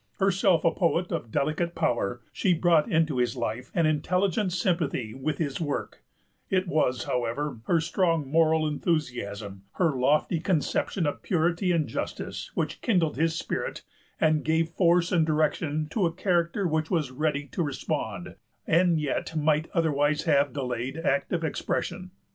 Herself a poet of delicate power, she brought into his life an intelligent sympathy with his work; it was, however, her strong moral enthusiasm, her lofty conception of purity and justice, which kindled his spirit and gave force and direction to a character which was ready to respond, and yet might otherwise have delayed active expression.